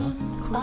あ！